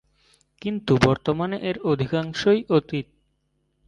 কিন্তু বর্তমানে এর অধিকাংশই অতীত।